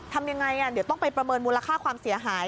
ทำยังไงเดี๋ยวต้องไปประเมินมูลค่าความเสียหาย